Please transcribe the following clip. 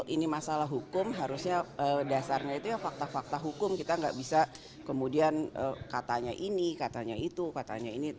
ini masalah hukum harusnya dasarnya itu ya fakta fakta hukum kita nggak bisa kemudian katanya ini katanya itu katanya ini